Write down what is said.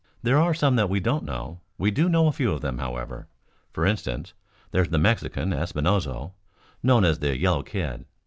"There are some that we don't know. We do know a few of them, however. For instance, there's the Mexican, Espinoso, known as the 'Yellow Kid.'